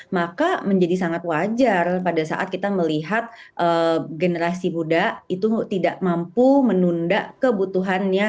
maka menjadi sangat wajar pada saat kita melihat generasi muda itu tidak mampu menunda kebutuhannya